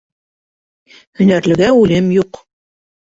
Һөнәрлегә үлем юҡ.